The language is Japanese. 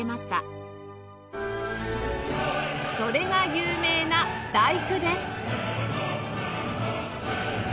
それが有名な『第９』です